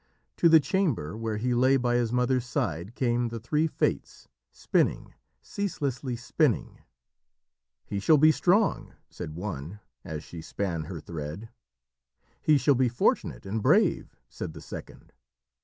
To the chamber where he lay by his mother's side came the three Fates, spinning, ceaselessly spinning. "He shall be strong," said one, as she span her thread. "He shall be fortunate and brave," said the second.